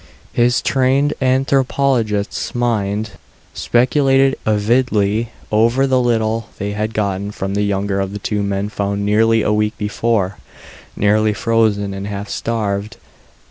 His trained anthropologist's mind speculated avidly over the little they had gotten from the younger of the two men found nearly a week before, nearly frozen and half starved.